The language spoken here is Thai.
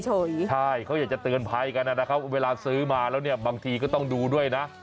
ใช่เขาอยากจะเตือนภัยกันนะครับเวลาซื้อมาแล้วเนี่ยบางทีก็ต้องดูด้วยนะ